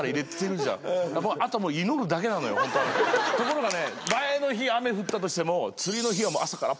ところがね。